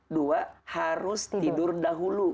dua harus tidur dahulu